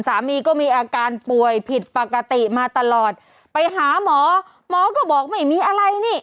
สามีก็มีอาการป่วยผิดปกติมาตลอดไปหาหมอหมอก็บอกไม่มีอะไรนี่